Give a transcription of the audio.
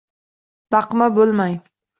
Laqma bo‘lmang!